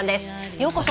ようこそ。